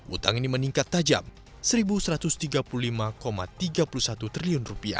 utang ini meningkat tajam rp satu satu ratus tiga puluh lima tiga puluh satu triliun